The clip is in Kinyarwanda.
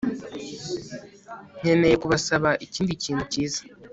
Nkeneye kubasaba ikindi kintu cyiza